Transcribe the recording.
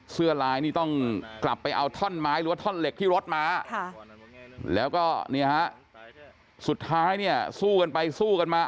เสื้อลายนี่ต้องกลับไปเอาท่อนไม้หรือว่าท่อนเหล็กที่รถมาแล้วก็เนี่ยฮะสุดท้ายเนี่ยสู้กันไปสู้กันมา